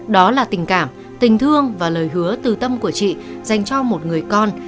đó là tình cảm tình thương và lời hứa từ tâm của chị dành cho một người con